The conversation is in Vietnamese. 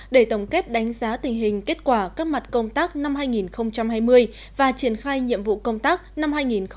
để tổng kết đánh giá tình hình kết quả các mặt công tác năm hai nghìn hai mươi và triển khai nhiệm vụ công tác năm hai nghìn hai mươi một